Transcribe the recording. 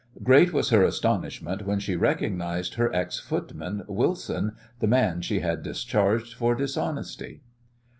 Great was her astonishment when she recognized her ex footman, Wilson, the man she had discharged for dishonesty.